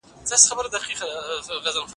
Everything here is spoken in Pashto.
ما تېره شپه د لوبې په اړه یو خوب ولید.